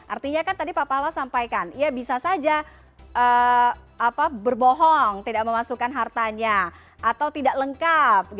artinya kan tadi pak pala sampaikan ya bisa saja berbohong tidak memasukkan hartanya atau tidak lengkap